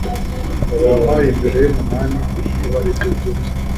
Nzaba mpari mbere yumunani, niba aribyo byose.